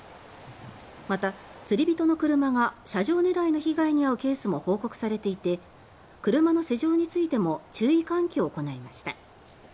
また、釣り人の車が車上狙いの被害に遭うケースも報告されていて車の施錠についても注意喚起を行いました。